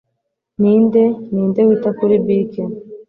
ninde ninde wita kuri bike